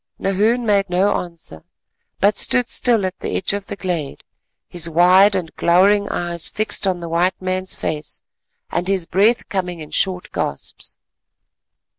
Nahoon made no answer, but stood still at the edge of the glade, his wild and glowering eyes fixed on the white man's face and his breath coming in short gasps.